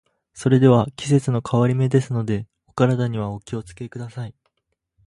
それでは、季節の変わり目ですので、お体にはお気を付けください。